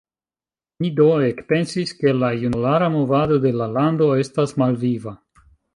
Mi do ekpensis, ke la junulara movado de la lando estas malviva.